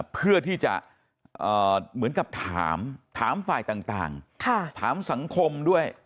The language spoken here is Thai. เพื่อที่จะเหมือนกับถามถามฝ่ายต่างถามสังคมด้วย